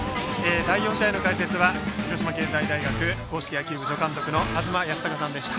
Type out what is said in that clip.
第４試合の解説は広島経済大学硬式野球部助監督の東賢孝さんでした。